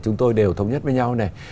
chúng tôi đều thống nhất với nhau